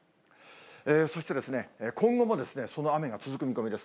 そして、今後もその雨が続く見込みです。